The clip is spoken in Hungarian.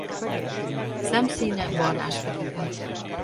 Szemszíne barnásfekete.